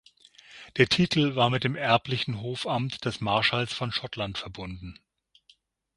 Der Titel war mit dem erblichen Hofamt des "Marschalls von Schottland" verbunden.